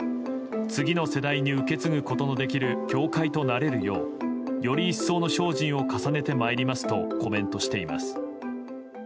次の世代に受け継ぐことのできる教会となれるようより一層の精進を重ねてまいりますとコメントしています。